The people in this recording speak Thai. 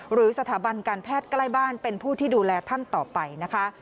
หรือสถาบันการแพทย์ใกล้บ้านเป็นผู้ที่ดูแลท่านต่อไปนะคะ